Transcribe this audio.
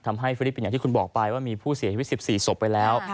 ทำให้ฟิลิปปินส์อย่างที่คุณบอกไปว่ามีผู้เสีย๒๔ศพไปแล้ว